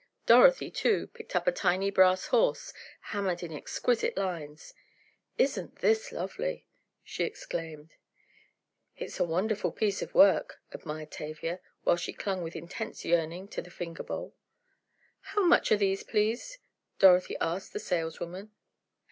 Dorothy, too, picked up a tiny brass horse, hammered in exquisite lines. "Isn't this lovely!" she exclaimed. "It's a wonderful piece of work," admired Tavia, while she clung with intense yearning to the finger bowl. "How much are these, please?" Dorothy asked the saleswoman.